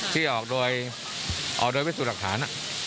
ที่ออกโดยวิสุทธิ์หลักฐาน